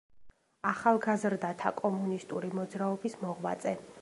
ახალგაზრდათა კომუნისტური მოძრაობის მოღვაწე.